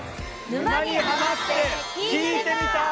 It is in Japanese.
「沼にハマってきいてみた」！